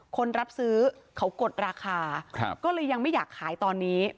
คนรับซื้อเขากดราคาก็เลยยังไม่อยากขายตอนนี้